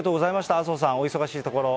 麻生さん、お忙しいところ。